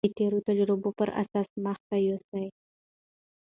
د تېرو تجربو پر اساس مخته يوسي.